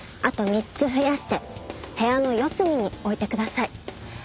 あと３つ増やして部屋の四隅に置いてください。